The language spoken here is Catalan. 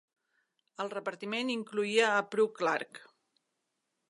El repartiment incloïa a Prue Clarke.